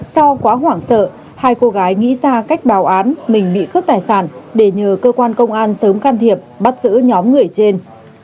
do quá hoảng sợ hai cô gái nghĩ ra cách bào án mình bị cướp tài sản để nhờ cơ quan công an sớm can thiệp bắt giữ nhóm người trên